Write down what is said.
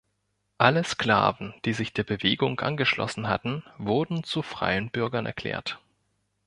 Alle Sklaven, die sich der Bewegung angeschlossen hatten, wurden zu freien Bürgern erklärt.